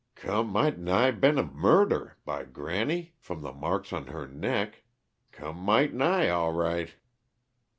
"Come might' nigh bein' a murder, by granny from the marks on 'er neck come might' nigh, all right!"